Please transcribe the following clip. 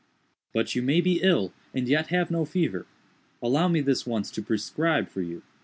"But you may be ill and yet have no fever. Allow me this once to prescribe for you.